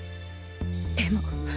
でも！